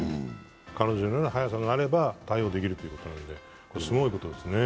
彼女のような速さがあれば対応できるということですごいですね。